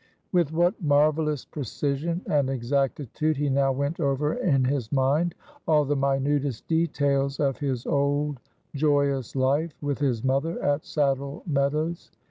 With what marvelous precision and exactitude he now went over in his mind all the minutest details of his old joyous life with his mother at Saddle Meadows.